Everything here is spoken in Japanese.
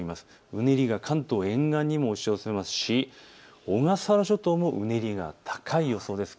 うねりが関東沿岸にも押し寄せますし小笠原諸島もうねりが高い予想です。